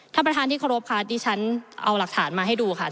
ท่านประธานที่เคารพค่ะดิฉันเอาหลักฐานมาให้ดูค่ะ